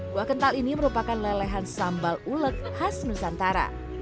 kuah kental ini merupakan lelehan sambal uleg khas nusantara